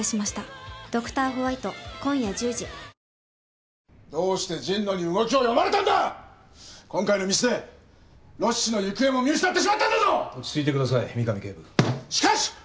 しかし！